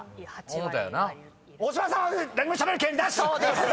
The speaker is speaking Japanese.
大島さんは何もしゃべる権利なし！